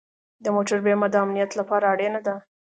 د موټر بیمه د امنیت لپاره اړینه ده.